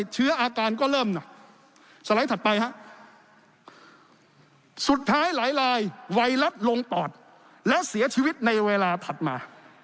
เสียชีวิตในเวลาถัดมา